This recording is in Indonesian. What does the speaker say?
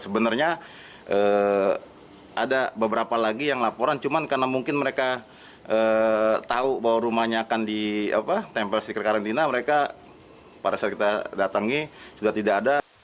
sebenarnya ada beberapa lagi yang laporan cuma karena mungkin mereka tahu bahwa rumahnya akan ditempel stiker karantina mereka pada saat kita datangi sudah tidak ada